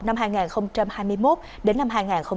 năm hai nghìn hai mươi một đến năm hai nghìn hai mươi hai